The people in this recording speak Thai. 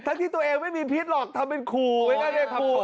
ฝรั่งที่ตัวเองไม่มีพิธีหรอกทำเป็นขูเขาก็เรียกครับ